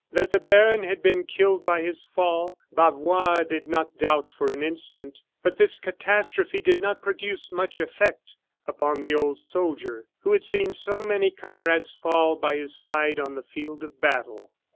That the baron had been killed by his fall, Bavois did not doubt for an instant. But this catastrophe did not produce much effect upon the old soldier, who had seen so many comrades fall by his side on the field of battle.